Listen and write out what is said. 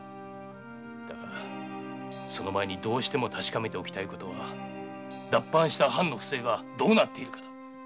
だがその前にどうしても確かめたいことは脱藩した藩の不正がどうなっているかだ。